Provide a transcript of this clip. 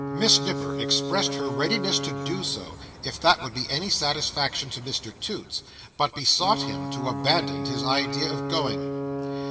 Miss Nipper expressed her readiness to do so, if that would be any satisfaction to Mr Toots, but besought him to abandon his idea of going.